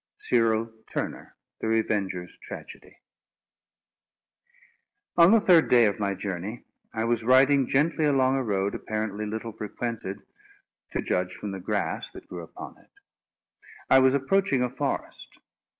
CYRIL TOURNEUR, The Revenger's Tragedy. On the third day of my journey, I was riding gently along a road, apparently little frequented, to judge from the grass that grew upon it. I was approaching a forest.